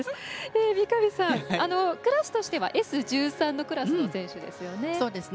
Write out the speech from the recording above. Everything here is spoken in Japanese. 三上さん、クラスとしてはＳ１３のクラスの選手ですよね。